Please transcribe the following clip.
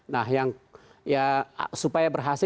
nah yang ya supaya berhasil